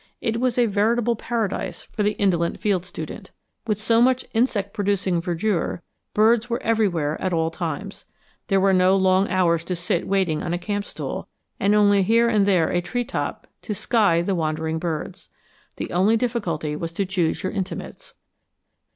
It was a veritable paradise for the indolent field student. With so much insect producing verdure, birds were everywhere at all times. There were no long hours to sit waiting on a camp stool, and only here and there a treetop to 'sky' the wandering birds. The only difficulty was to choose your intimates.